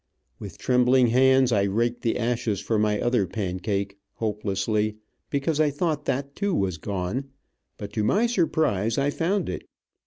With trembling hands I raked the ashes for my other pancake, hopelessly, because I thought that, too, was gone, but to my surprise I found it.